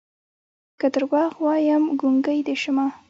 که دروغ وايم ګونګې دې شمه